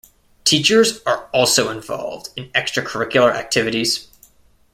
Teachers are also involved in extracurricular activities.